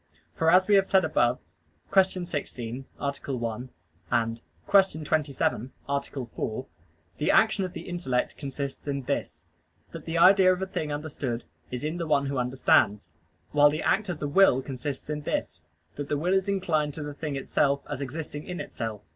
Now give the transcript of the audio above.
For as we have said above (Q. 16, A. 1; Q. 27, A. 4), the action of the intellect consists in this that the idea of the thing understood is in the one who understands; while the act of the will consists in this that the will is inclined to the thing itself as existing in itself.